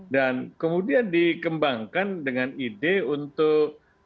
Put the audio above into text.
dan kemudian dikembangkan dengan ide untuk covid